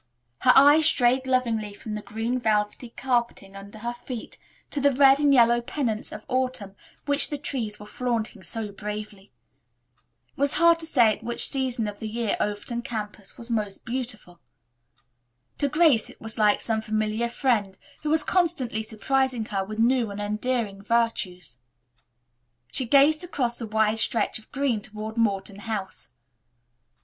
Her eyes strayed lovingly from the green velvety carpeting under her feet to the red and yellow pennants of autumn which the trees were flaunting so bravely. It was hard to say at which season of the year Overton campus was most beautiful. To Grace it was like some familiar friend who was constantly surprising her with new and endearing virtues. She gazed across the wide stretch of green toward Morton House.